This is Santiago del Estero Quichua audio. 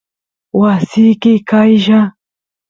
wasiki qaylla